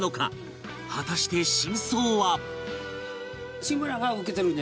果たして真相は